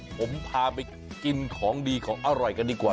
ผมพาไปกินของดีของอร่อยกันดีกว่า